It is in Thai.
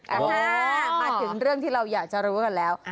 อ่าฮะมาถึงเรื่องที่เราอยากจะรู้กันแล้ว